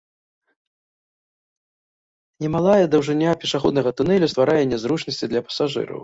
Немалая даўжыня пешаходнага тунэлю стварае нязручнасці для пасажыраў.